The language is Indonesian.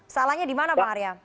salahnya di mana bang arya